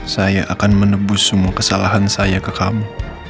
saya akan menebus semua kesalahan saya ke kamu